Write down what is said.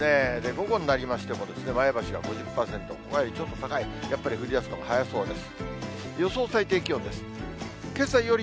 午後になりましても、前橋は５０％、ほかよりちょっと高い、やっぱり降りだすのも早そうです。